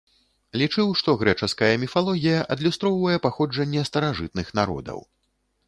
Лічыў, што грэчаская міфалогія адлюстроўвае паходжанне старажытных народаў.